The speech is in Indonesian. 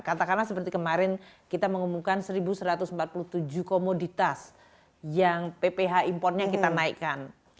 katakanlah seperti kemarin kita mengumumkan satu satu ratus empat puluh tujuh komoditas yang pph impornya kita naikkan